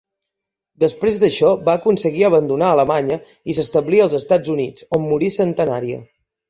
Després d'això, va aconseguir abandonar Alemanya i s'establí als Estats Units, on morí centenària.